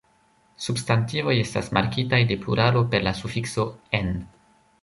Substantivoj estas markitaj de pluralo per la sufikso "-en".